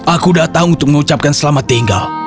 aku datang untuk mengucapkan selamat tinggal